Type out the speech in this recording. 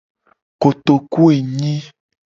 Kotokuenyi.